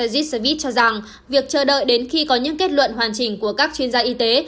jissevis cho rằng việc chờ đợi đến khi có những kết luận hoàn chỉnh của các chuyên gia y tế